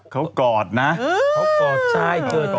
เขากอดนะ